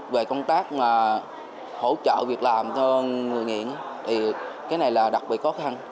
về công tác hỗ trợ việc làm cho người nghiện thì cái này là đặc biệt khó khăn